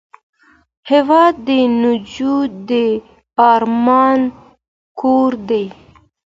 هېواد د نجو د ارمان کور دی.